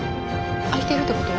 あいてるってこと？